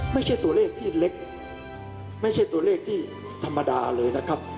ไม่ใช่ตัวเลขที่เล็กไม่ใช่ตัวเลขที่ธรรมดาเลยนะครับ